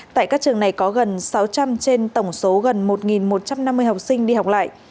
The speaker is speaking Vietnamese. tại các trường này có gần sáu trăm linh trên tổng số gần một một trăm năm mươi học sinh đi học lại